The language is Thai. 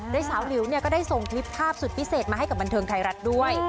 โดยสาวหลิวก็ได้ส่งคลิปภาพสุดพิเศษมาให้กับบันเทิงไทยรัฐด้วย